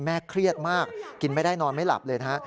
เครียดมากกินไม่ได้นอนไม่หลับเลยนะฮะ